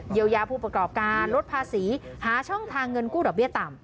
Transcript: ยายาผู้ประกอบการลดภาษีหาช่องทางเงินกู้ดอกเบี้ยต่ำ